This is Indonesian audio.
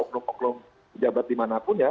poklong jabat dimanapun ya